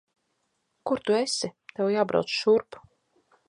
Kur tu esi? Tev jābrauc šurp.